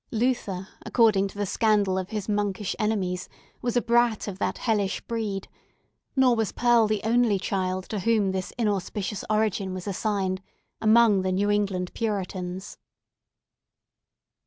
Luther, according to the scandal of his monkish enemies, was a brat of that hellish breed; nor was Pearl the only child to whom this inauspicious origin was assigned among the New England Puritans.